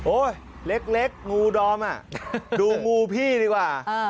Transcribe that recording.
โอ้ยเล็กงูดอมดูงูพี่ดีกว่า